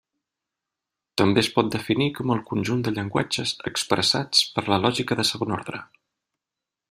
També es pot definir com el conjunt de llenguatges expressats per lògica de segon ordre.